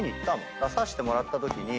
出させてもらったときに。